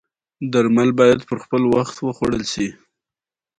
د زخم د عفونت لپاره باید څه شی وکاروم؟